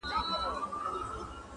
که مُلایان دي که یې چړیان دي,